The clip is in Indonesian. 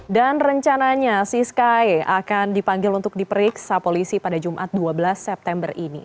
dan rencananya si sky akan dipanggil untuk diperiksa polisi pada jumat dua belas september ini